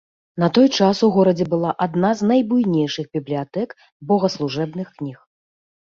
На той час у горадзе была адна з найбуйнейшых бібліятэк богаслужэбных кніг.